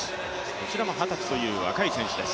こちらも二十歳という若い選手です。